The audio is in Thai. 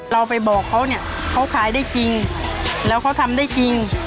เราไปบอกเขาเนี่ยเขาขายได้จริงแล้วเขาทำได้จริง